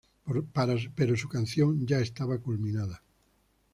Pero su canción ya estaba culminada.